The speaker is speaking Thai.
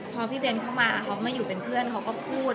พอพี่เบ้นเข้ามาเขามาอยู่เป็นเพื่อนเขาก็พูด